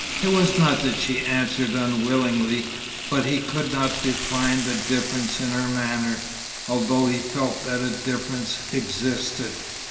It was not that she answered unwillingly, but he could not define the difference in her manner, although he felt that a difference existed.